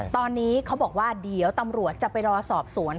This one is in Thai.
ตอนนี้เขาบอกว่าเดี๋ยวตำรวจจะไปรอสอบสวน